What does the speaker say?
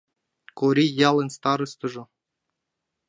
Корий ялын старостыжо.